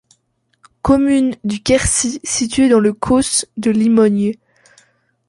Commune du Quercy située dans le Causse de Limogne.